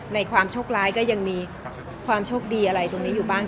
ความโชคร้ายก็ยังมีความโชคดีอะไรตรงนี้อยู่บ้าง